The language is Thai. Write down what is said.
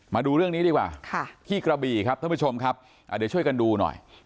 มาดูเรื่องนี้ดีกว่าที่กระบี่ครับท่านผู้ชมครับเดี๋ยวช่วยกันดูหน่อย